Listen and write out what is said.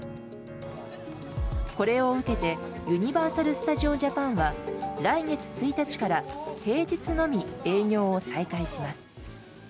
これを受けて、ユニバーサル・スタジオ・ジャパンは来月１日から平日のみ営業を再開します。